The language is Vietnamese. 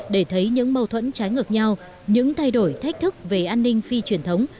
để thấy những mâu thuẫn trái ngược nhau những thay đổi thách thức về an ninh phi truyền thống